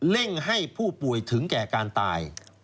่งให้ผู้ป่วยถึงแก่การตาย